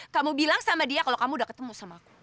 kamu bilang sama dia kalau kamu udah ketemu sama aku